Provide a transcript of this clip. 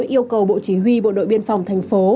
yêu cầu bộ chỉ huy bộ đội biên phòng thành phố